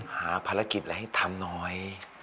หาภารกิจอะไรให้ทำหน่อย